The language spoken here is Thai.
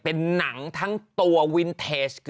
เป็นหนังทั้งตัววินเทจ